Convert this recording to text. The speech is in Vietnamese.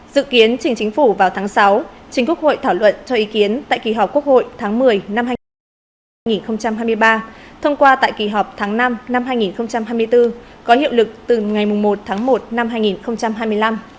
dự kiến trình chính phủ vào tháng sáu chính quốc hội thảo luận cho ý kiến tại kỳ họp quốc hội tháng một mươi năm hai nghìn hai mươi ba thông qua tại kỳ họp tháng năm năm hai nghìn hai mươi bốn có hiệu lực từ ngày một tháng một năm hai nghìn hai mươi năm